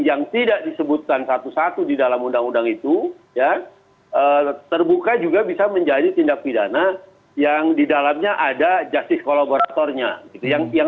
yang terbuka juga bisa menjadi tindak pidana yang di dalamnya ada justice collaboratornya